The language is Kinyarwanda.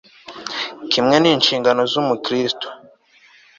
kimwe n'inshingano z'umukristo